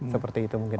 seperti itu mungkin